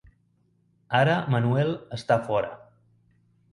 Ara Manuel està fora.